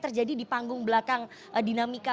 terjadi di panggung belakang dinamika